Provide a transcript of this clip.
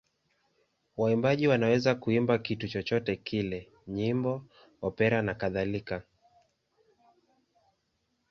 Waimbaji wanaweza kuimba kitu chochote kile: nyimbo, opera nakadhalika.